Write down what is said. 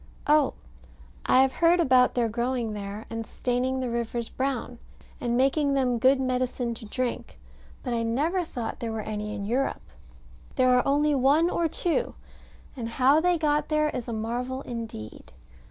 Oh, I have heard about their growing there, and staining the rivers brown, and making them good medicine to drink: but I never thought there were any in Europe. There are only one or two, and how they got there is a marvel indeed.